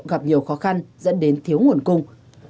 gặp nhiều khó khăn dẫn đến thiếu nguồn cung